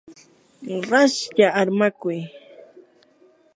raslla armakuy.